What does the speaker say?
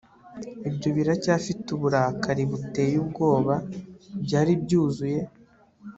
Ibyo biracyafite uburakari buteye ubwoba byari byuzuye